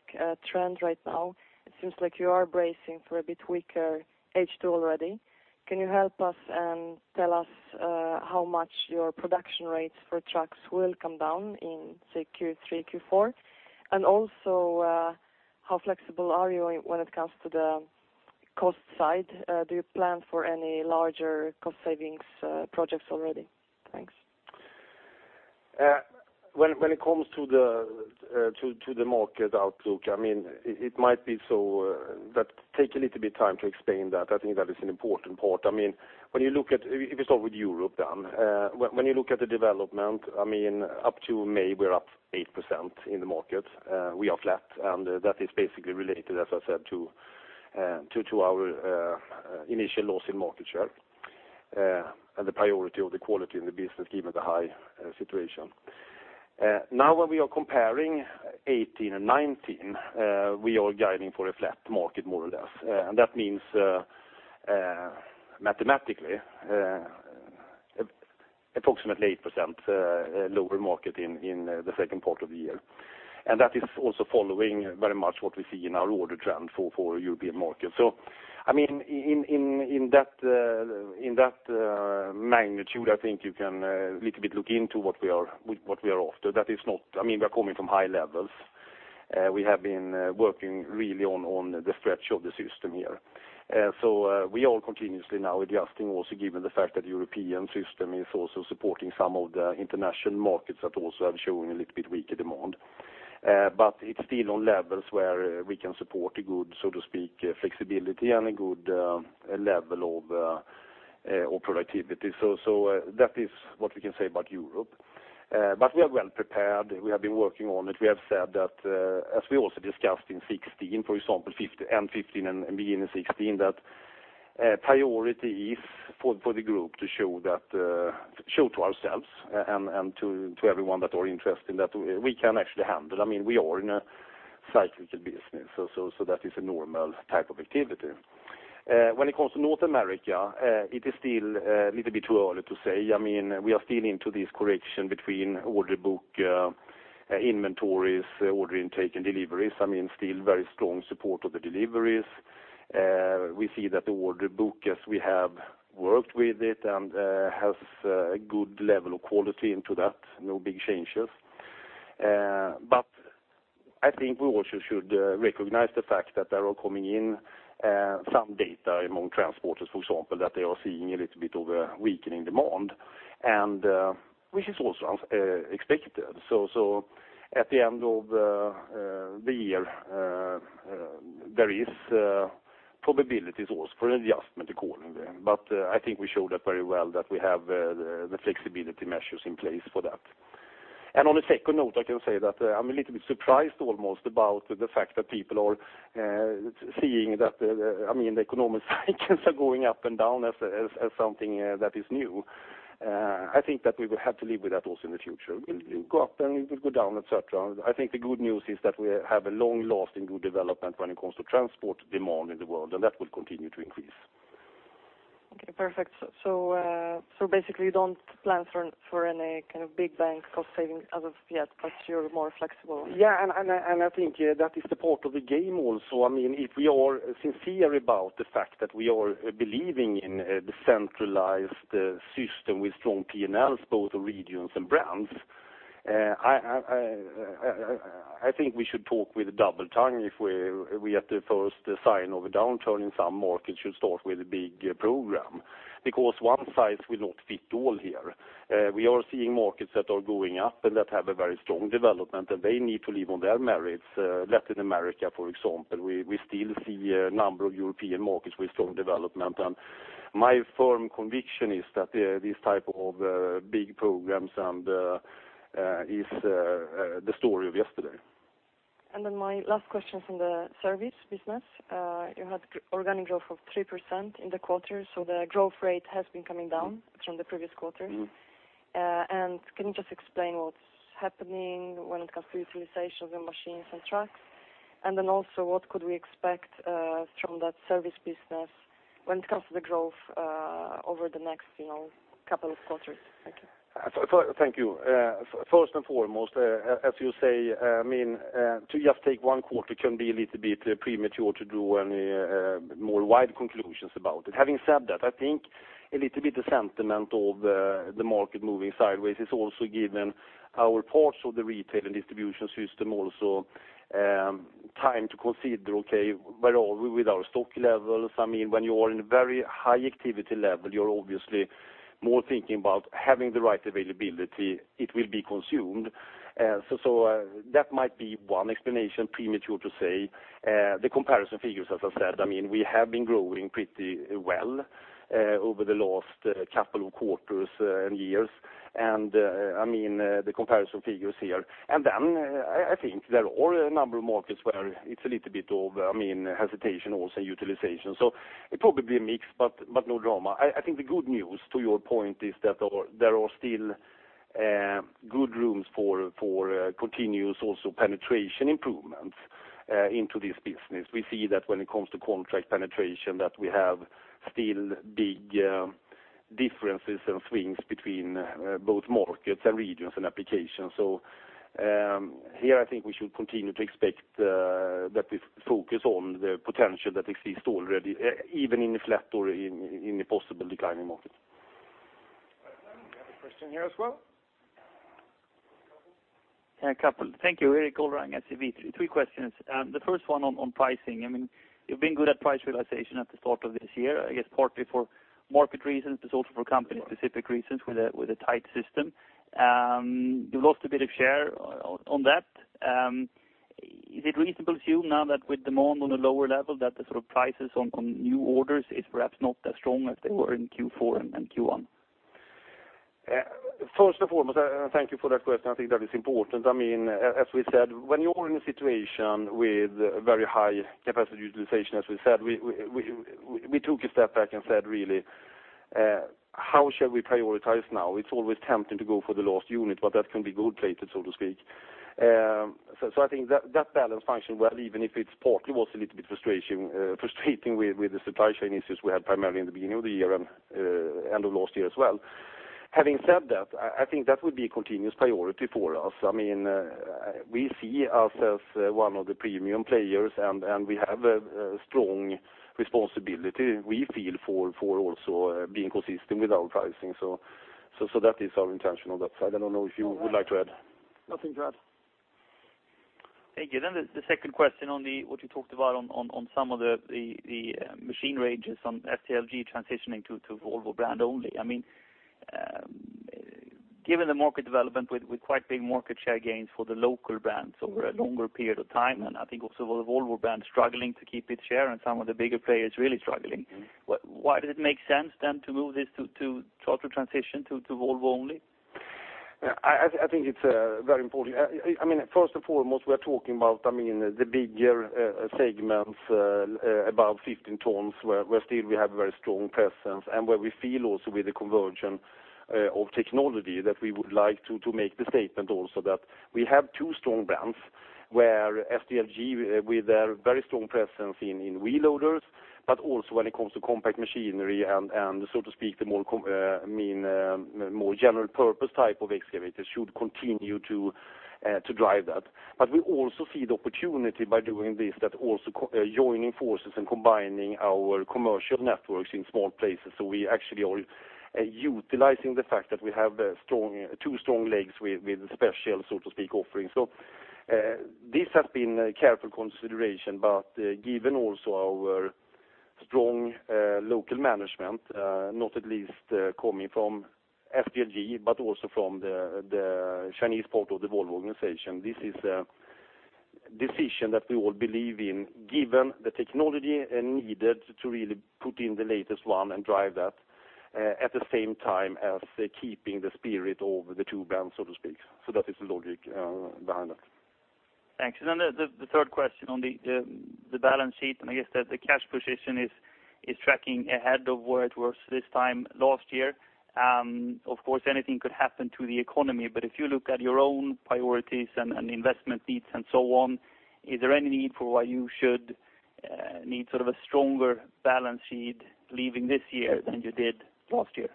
trend right now, it seems like you are bracing for a bit weaker H2 already. Can you help us and tell us how much your production rates for trucks will come down in, say, Q3, Q4? Also, how flexible are you when it comes to the cost side? Do you plan for any larger cost savings projects already? Thanks. When it comes to the market outlook, it might be so that take a little bit time to explain that. I think that is an important part. If you start with Europe, then when you look at the development, up to May, we are up 8% in the market. We are flat, that is basically related, as I said, to our initial loss in market share, and the priority of the quality in the business, given the high situation. Now, when we are comparing 2018 and 2019, we are guiding for a flat market, more or less. That means, mathematically, approximately 8% lower market in the second part of the year. That is also following very much what we see in our order trend for European market. In that magnitude, I think you can little bit look into what we are after. We are coming from high levels. We have been working really on the stretch of the system here. We are continuously now adjusting also given the fact that European system is also supporting some of the international markets that also are showing a little bit weaker demand. It's still on levels where we can support a good, so to speak, flexibility and a good level of productivity. That is what we can say about Europe. We are well prepared. We have been working on it. We have said that, as we also discussed in 2016, for example, end 2015 and beginning 2016, that priority is for the group to show to ourselves and to everyone that are interested that we can actually handle. We are in a cyclical business, that is a normal type of activity. When it comes to North America, it is still a little bit too early to say. We are still into this correction between order book inventories, order intake, and deliveries. Still very strong support of the deliveries. We see that the order book, as we have worked with it and has a good level of quality into that, no big changes. I think we also should recognize the fact that there are coming in some data among transporters, for example, that they are seeing a little bit of a weakening demand, which is also as expected. At the end of the year, there is probabilities also for an adjustment according then. I think we showed that very well that we have the flexibility measures in place for that. On a second note, I can say that I'm a little bit surprised almost about the fact that people are seeing that the economic cycles are going up and down as something that is new. I think that we will have to live with that also in the future. It will go up, and it will go down, et cetera. I think the good news is that we have a long lasting good development when it comes to transport demand in the world, and that will continue to increase. Okay, perfect. Basically you don't plan for any kind of big-bang cost savings as of yet, but you're more flexible. Yeah, I think that is the part of the game also. If we are sincere about the fact that we are believing in a decentralized system with strong P&Ls, both regions and brands. I think we should talk with a double tongue if we, at the first sign of a downturn in some markets, should start with a big program, because one size will not fit all here. We are seeing markets that are going up and that have a very strong development, and they need to live on their merits. Latin America, for example, we still see a number of European markets with strong development. My firm conviction is that these type of big programs is the story of yesterday. My last question is on the service business. You had organic growth of 3% in the quarter, so the growth rate has been coming down from the previous quarter. Can you just explain what's happening when it comes to utilization of your machines and trucks? Also, what could we expect from that service business when it comes to the growth over the next couple of quarters? Thank you. Thank you. First and foremost, as you say, to just take one quarter can be a little bit premature to draw any more wide conclusions about it. Having said that, I think a little bit the sentiment of the market moving sideways is also given our parts of the retail and distribution system, also time to consider, okay, where are we with our stock levels? When you are in a very high activity level, you are obviously more thinking about having the right availability. It will be consumed. That might be one explanation, premature to say. The comparison figures, as I said, we have been growing pretty well over the last couple of quarters and years. The comparison figures here. I think there are a number of markets where it's a little bit of hesitation also utilization. It's probably a mix, but no drama. I think the good news, to your point, is that there are still good rooms for continuous also penetration improvements into this business. We see that when it comes to contract penetration, that we have still big differences and swings between both markets and regions and applications. Here, I think we should continue to expect that we focus on the potential that exists already, even in a flat or in a possible declining market. We have a question here as well. A couple. Thank you. Erik Golrang, SEB. Three questions. The first one on pricing. You've been good at price realization at the start of this year, I guess partly for market reasons, but also for company specific reasons with a tight system. You lost a bit of share on that. Is it reasonable to assume now that with demand on a lower level, that the sort of prices on new orders is perhaps not as strong as they were in Q4 and Q1? First and foremost, thank you for that question. I think that is important. As we said, when you are in a situation with very high capacity utilization, as we said, we took a step back and said, really, how shall we prioritize now? It's always tempting to go for the last unit, but that can be gold-plated, so to speak. I think that balance functioned well, even if it partly was a little bit frustrating with the supply chain issues we had primarily in the beginning of the year and end of last year as well. Having said that, I think that would be a continuous priority for us. We see ourselves as one of the premium players, and we have a strong responsibility, we feel, for also being consistent with our pricing. That is our intention on that side. I don't know if you would like to add. Nothing to add. Thank you. The second question on what you talked about on some of the machine ranges on SDLG transitioning to Volvo brand only. Given the market development with quite big market share gains for the local brands over a longer period of time, and I think also the Volvo brand struggling to keep its share and some of the bigger players really struggling, why does it make sense to move this to start to transition to Volvo only? I think it's very important. First and foremost, we are talking about the bigger segments above 15 tons, where still we have very strong presence, and where we feel also with the conversion of technology, that we would like to make the statement also that we have two strong brands, where SDLG, with their very strong presence in wheel loaders, but also when it comes to compact machinery and, so to speak, the more general purpose type of excavator, should continue to drive that. We also see the opportunity by doing this, that also joining forces and combining our commercial networks in small places. We actually are utilizing the fact that we have two strong legs with special, so to speak, offerings. This has been a careful consideration, but given also our strong local management, not at least coming from SDLG, but also from the Chinese part of the Volvo organization, this is a decision that we all believe in, given the technology needed to really put in the latest one and drive that, at the same time as keeping the spirit of the two brands, so to speak. That is the logic behind that. Thanks. Then the third question on the balance sheet, I guess that the cash position is tracking ahead of where it was this time last year. Of course, anything could happen to the economy, if you look at your own priorities and investment needs and so on, is there any need for why you should need sort of a stronger balance sheet leaving this year than you did last year?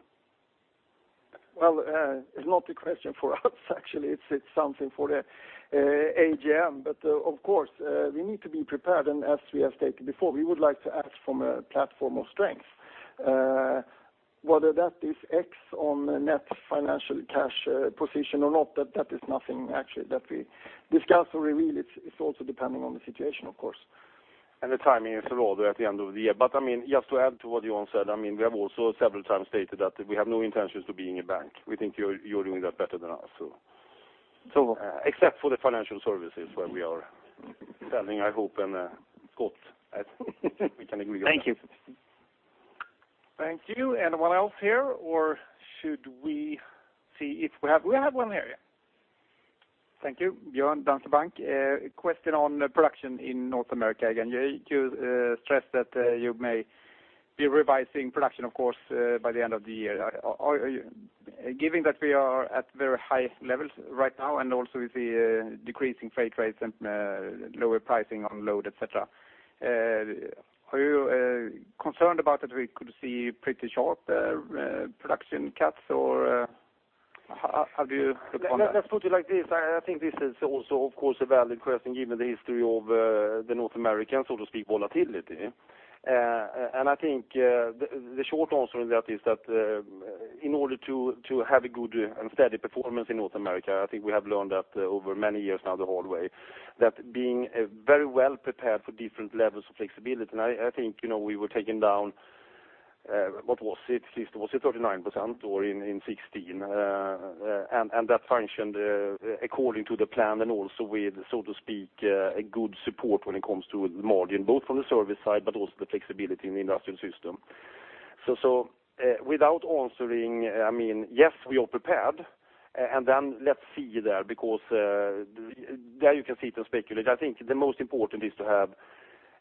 Well, it's not a question for us, actually. It's something for the AGM. Of course, we need to be prepared, as we have stated before, we would like to act from a platform of strength. Whether that is X on net financial cash position or not, that is nothing actually that we discuss or reveal. It's also depending on the situation, of course. The timing is rather at the end of the year. Just to add to what Jan said, we have also several times stated that we have no intentions to being a bank. We think you're doing that better than us. So- Except for the financial services where we are selling, I hope, and spot. We can agree on that. Thank you. Thank you. Anyone else here, or should we see if we have one here? Thank you. Björn, Danske Bank. A question on production in North America again. You stress that you may be revising production, of course, by the end of the year. Given that we are at very high levels right now, and also with the decreasing freight rates and lower pricing on load, et cetera, are you concerned about that we could see pretty sharp production cuts, or have you put on that? Let's put it like this. I think this is also, of course, a valid question given the history of the North American, so to speak, volatility. I think the short answer on that is that in order to have a good and steady performance in North America, I think we have learned that over many years now the hard way, that being very well prepared for different levels of flexibility. I think we were taken down, what was it? Was it 39% or in 2016? That functioned according to the plan and also with, so to speak, a good support when it comes to margin, both from the service side, but also the flexibility in the industrial system. Without answering, yes, we are prepared, and then let's see there, because there you can sit and speculate. I think the most important is to have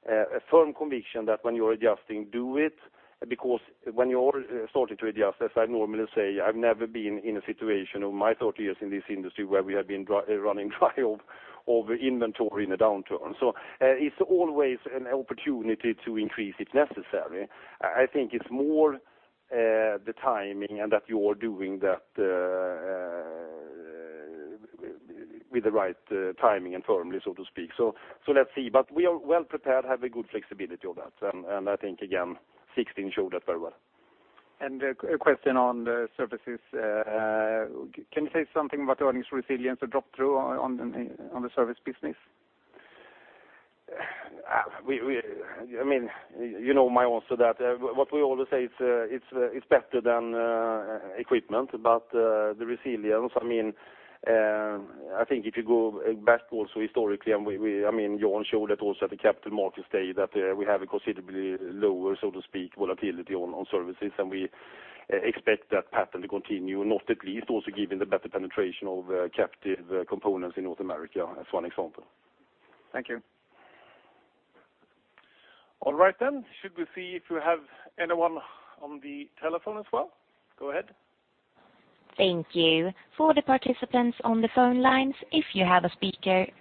a firm conviction that when you're adjusting, do it, because when you are starting to adjust, as I normally say, I've never been in a situation of my 30 years in this industry where we have been running dry of inventory in a downturn. It's always an opportunity to increase if necessary. I think it's more the timing and that you are doing that with the right timing and firmly, so to speak. Let's see. We are well prepared, have a good flexibility of that. I think, again, 2016 showed that very well. A question on the services. Can you say something about earnings resilience or drop-through on the service business? You know my answer to that. What we always say, it's better than equipment. The resilience, I think if you go back also historically, and Johan showed that also at the capital markets day, that we have a considerably lower, so to speak, volatility on services, and we expect that pattern to continue, not at least also given the better penetration of captive components in North America, as one example. Thank you. All right. Should we see if we have anyone on the telephone as well? Go ahead. Thank you. For the participants on the phone lines, if you have a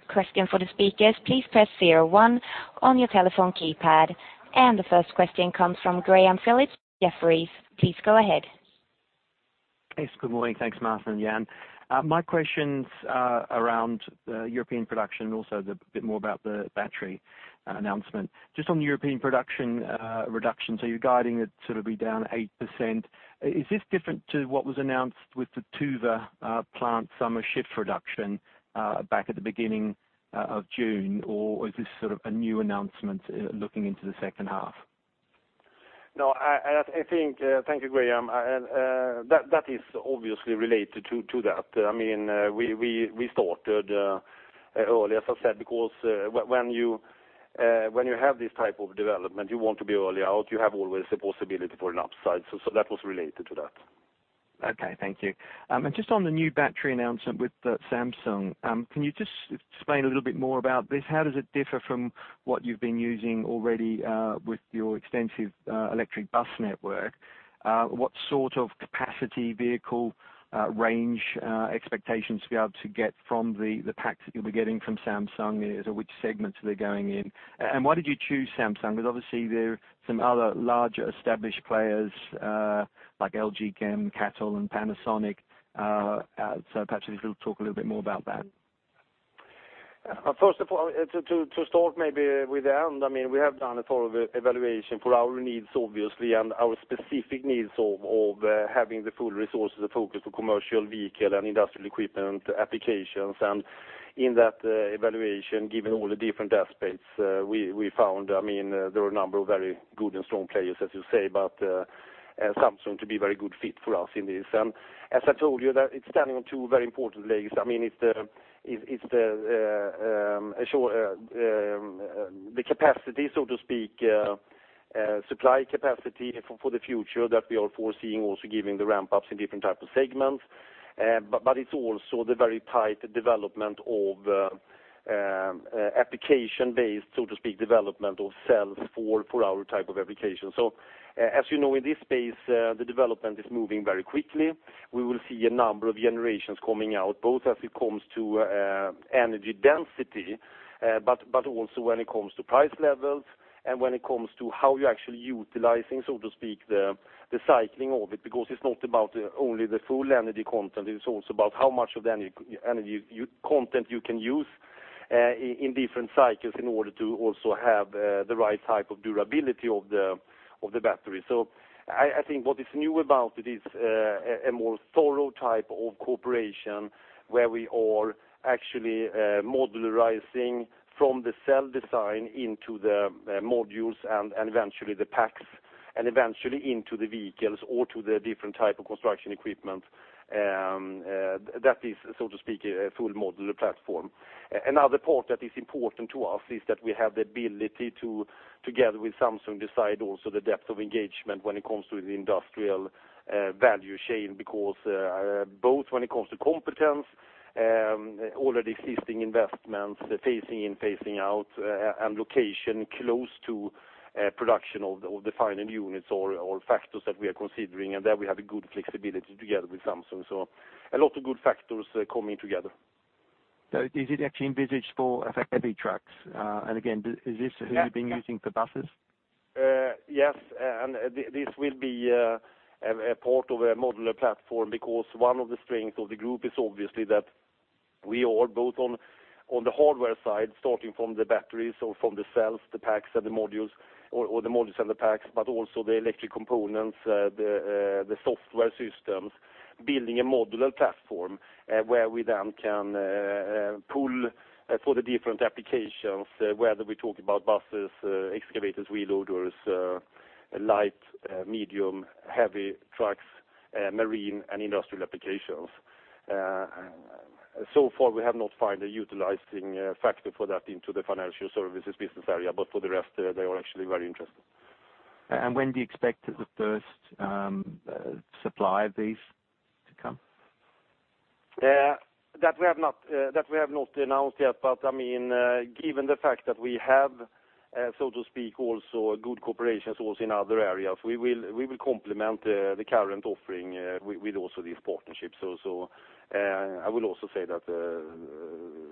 question for the speakers, please press zero one on your telephone keypad. The first question comes from Graham Phillips, Jefferies. Please go ahead. Yes, good morning. Thanks, Martin and Jan. My question's around European production, also a bit more about the battery announcement. Just on the European production reduction, you're guiding it to be down 8%. Is this different to what was announced with the Tuve plant summer shift reduction back at the beginning of June, or is this sort of a new announcement looking into the second half? No, thank you, Graham. That is obviously related to that. We started early, as I said, because when you have this type of development, you want to be early out. You have always the possibility for an upside. That was related to that. Okay, thank you. Just on the new battery announcement with Samsung, can you just explain a little bit more about this? How does it differ from what you've been using already with your extensive electric bus network? What sort of capacity, vehicle range expectations will you be able to get from the packs that you'll be getting from Samsung? Which segments are they going in? Why did you choose Samsung? Because obviously there are some other large established players, like LG Chem, CATL, and Panasonic. Perhaps if you could talk a little bit more about that. First of all, to start maybe with the end, we have done a thorough evaluation for our needs, obviously, and our specific needs of having the full resources, the focus for commercial vehicle and industrial equipment applications. In that evaluation, given all the different aspects, we found there are a number of very good and strong players, as you say, but Samsung to be a very good fit for us in this. As I told you, that it's standing on two very important legs. It's the supply capacity for the future that we are foreseeing also giving the ramp-ups in different type of segments. It's also the very tight application-based, so to speak, development of cells for our type of application. As you know, in this space, the development is moving very quickly. We will see a number of generations coming out, both as it comes to energy density, but also when it comes to price levels and when it comes to how you're actually utilizing, so to speak, the cycling of it, because it's not about only the full energy content, it's also about how much of the energy content you can use in different cycles in order to also have the right type of durability of the battery. I think what is new about it is a more thorough type of cooperation where we are actually modularizing from the cell design into the modules and eventually the packs, and eventually into the vehicles or to the different type of construction equipment, that is, so to speak, a full modular platform. Another part that is important to us is that we have the ability to, together with Samsung, decide also the depth of engagement when it comes to the industrial value chain, because both when it comes to competence, already existing investments, phasing in, phasing out, and location close to production of the final units are all factors that we are considering, and there we have a good flexibility together with Samsung. A lot of good factors coming together. Is it actually envisaged for heavy trucks? Again, is this who you've been using for buses? Yes, this will be a part of a modular platform because one of the strengths of the group is obviously that we are both on the hardware side, starting from the batteries or from the cells, the packs and the modules, or the modules and the packs, but also the electric components, the software systems, building a modular platform, where we then can pull for the different applications, whether we talk about buses, excavators, wheel loaders, light, medium, heavy trucks, marine and industrial applications. So far, we have not found a utilizing factor for that into the financial services business area, but for the rest, they are actually very interested. When do you expect the first supply of these to come? That we have not announced yet, but given the fact that we have, so to speak, also a good cooperation source in other areas, we will complement the current offering with also this partnership. I will also say that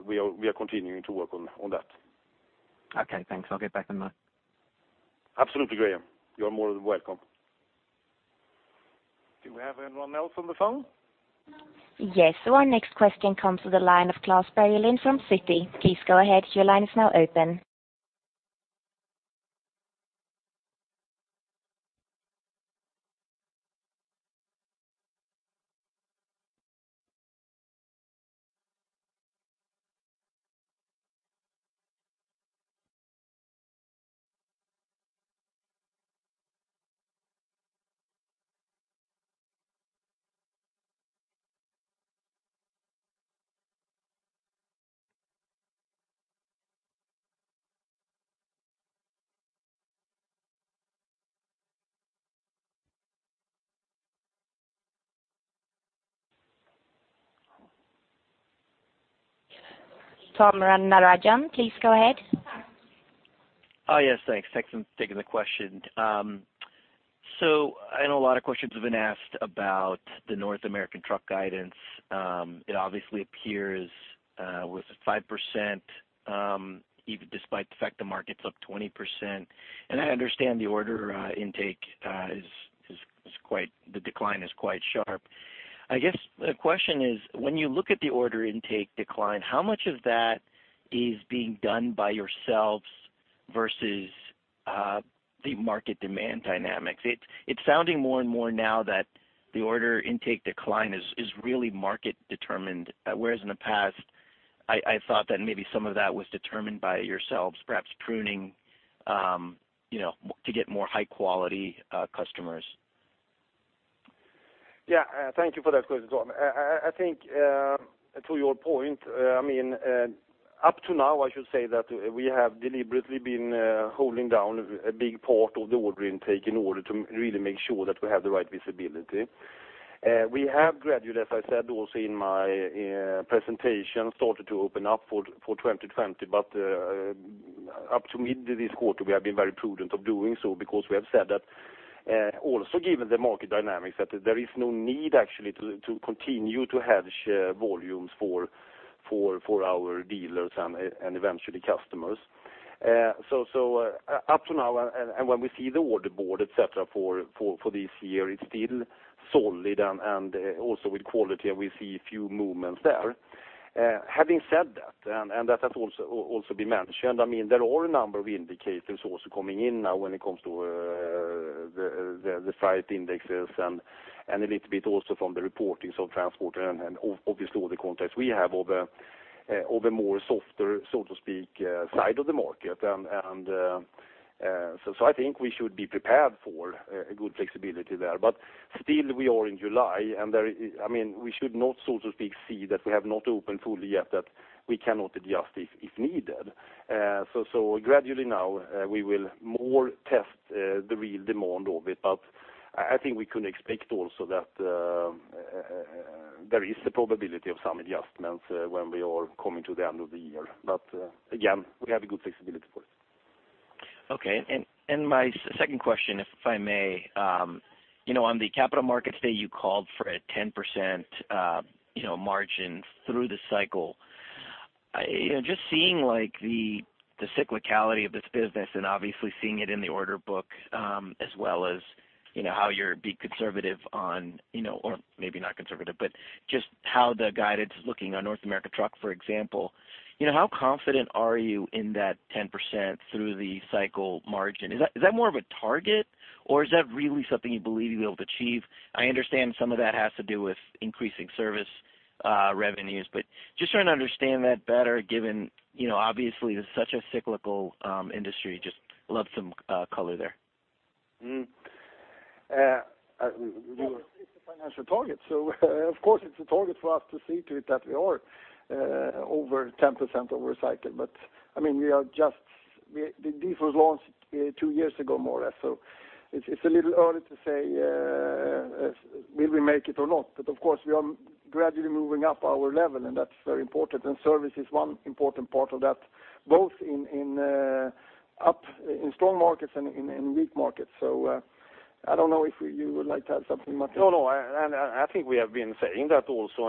we are continuing to work on that. Okay, thanks. I'll get back in line. Absolutely, Graham. You're more than welcome. Do we have anyone else on the phone? Yes. Our next question comes to the line of Klas Bergelind from Citi. Please go ahead. Your line is now open. Thamran Narajan, please go ahead. Oh, yes. Thanks for taking the question. I know a lot of questions have been asked about the North American truck guidance. It obviously appears with 5%, even despite the fact the market's up 20%. I understand the order intake decline is quite sharp. I guess the question is, when you look at the order intake decline, how much of that is being done by yourselves versus the market demand dynamics? It's sounding more and more now that the order intake decline is really market determined, whereas in the past, I thought that maybe some of that was determined by yourselves, perhaps pruning to get more high-quality customers. Yeah. Thank you for that question, Tham. I think, to your point, up to now, I should say that we have deliberately been holding down a big part of the order intake in order to really make sure that we have the right visibility. We have gradually, as I said also in my presentation, started to open up for 2020, but up to mid this quarter, we have been very prudent of doing so because we have said that, also given the market dynamics, that there is no need actually to continue to hedge volumes for our dealers and eventually customers. Up to now, and when we see the order board, et cetera, for this year, it's still solid, and also with quality, and we see a few movements there. Having said that, and that has also been mentioned, there are a number of indicators also coming in now when it comes to the freight indexes and a little bit also from the reportings of transport and obviously all the contacts we have of a more softer, so to speak, side of the market. I think we should be prepared for a good flexibility there. Still we are in July, and we should not, so to speak, see that we have not opened fully yet, that we cannot adjust if needed. Gradually now, we will more test the real demand of it. I think we can expect also that there is a probability of some adjustments when we are coming to the end of the year. Again, we have a good flexibility for it. Okay. My second question, if I may. On the Capital Markets Day, you called for a 10% margin through the cycle. Just seeing the cyclicality of this business and obviously seeing it in the order book, as well as how you're being conservative on, or maybe not conservative, but just how the guidance is looking on North America truck, for example. How confident are you in that 10% through the cycle margin? Is that more of a target or is that really something you believe you'll be able to achieve? I understand some of that has to do with increasing service revenues, but just trying to understand that better given, obviously, it's such a cyclical industry. Just love some color there. It's a financial target, of course, it's a target for us to see to it that we are over 10% over a cycle. The DEF was launched two years ago, more or less. It's a little early to say, will we make it or not? Of course, we are gradually moving up our level, and that's very important, and service is one important part of that, both in strong markets and in weak markets. I don't know if you would like to add something, Martin? No. I think we have been saying that also,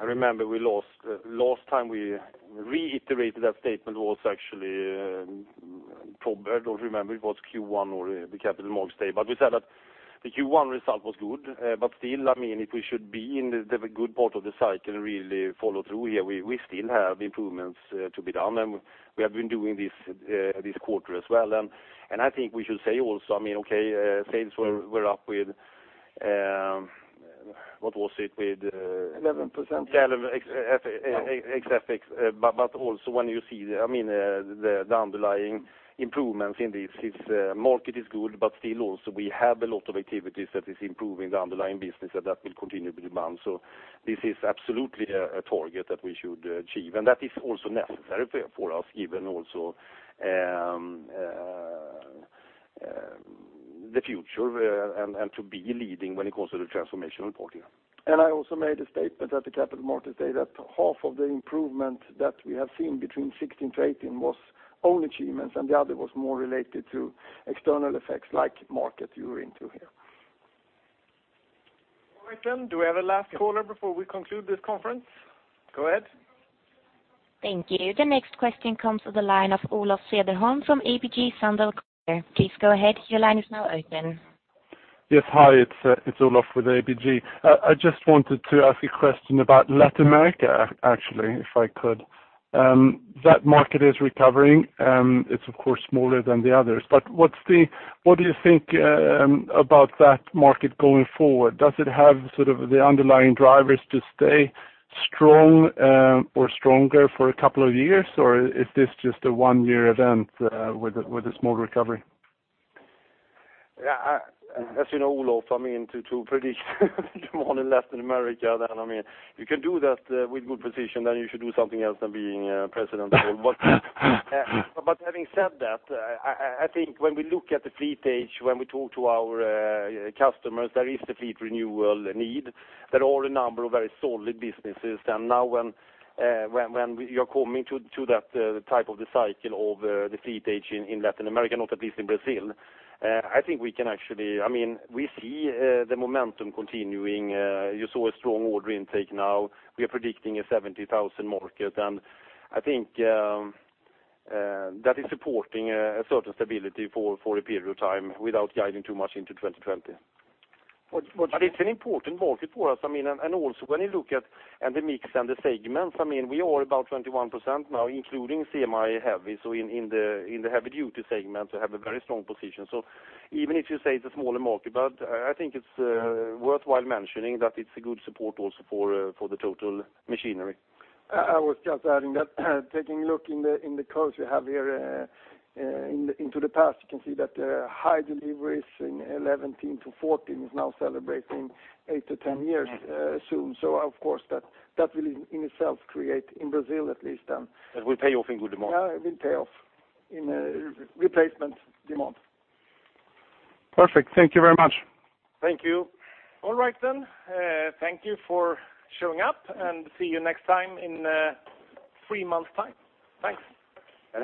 I remember last time we reiterated that statement was actually probably, I don't remember if it was Q1 or the Capital Markets Day, but we said that the Q1 result was good. Still, if we should be in the good part of the cycle, really follow through here, we still have improvements to be done, and we have been doing this this quarter as well. I think we should say also, okay, sales were up with, what was it? 11%. 11% ex FX. Also when you see the underlying improvements in this market is good, but still also, we have a lot of activities that is improving the underlying business, and that will continue with demand. This is absolutely a target that we should achieve, and that is also necessary for us, given also the future, and to be leading when it comes to the transformational part here. I also made a statement at the capital markets day that half of the improvement that we have seen between 2016-2018 was own achievements, and the other was more related to external effects, like market you're into here. All right. Do we have a last caller before we conclude this conference? Go ahead. Thank you. The next question comes to the line of Olof Cederholm from ABG Sundal Collier. Please go ahead. Your line is now open. Yes, hi. It's Olof with ABG. I just wanted to ask a question about Latin America, actually, if I could. That market is recovering. It's of course smaller than the others, but what do you think about that market going forward? Does it have sort of the underlying drivers to stay strong or stronger for a couple of years? Or is this just a one-year event with a small recovery? As you know, Olof, to predict more in Latin America, you can do that with good precision, then you should do something else than being president of Volvo. Having said that, I think when we look at the fleet age, when we talk to our customers, there is the fleet renewal need. There are a number of very solid businesses, and now when you are coming to that type of the cycle of the fleet age in Latin America, not at least in Brazil, I think we can We see the momentum continuing. You saw a strong order intake now. We are predicting a 70,000 market, and I think that is supporting a certain stability for a period of time without guiding too much into 2020. What- It's an important market for us. Also when you look at the mix and the segments, we are about 21% now, including CMI heavy. In the heavy-duty segment, we have a very strong position. Even if you say it's a smaller market, but I think it's worthwhile mentioning that it's a good support also for the total machinery. I was just adding that taking a look in the codes we have here into the past, you can see that high deliveries in 2011-2014 is now celebrating eight to 10 years soon. Of course, that will in itself create in Brazil, at least- It will pay off in good demand. Yeah, it will pay off in replacement demand. Perfect. Thank you very much. Thank you. All right, then. Thank you for showing up, see you next time in three months' time. Thanks.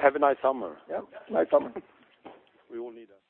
Have a nice summer. Yeah. Nice summer. We all need that.